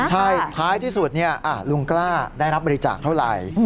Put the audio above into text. ใช่ท้ายที่สุดลุงกล้าได้รับบริจาคเท่าไหร่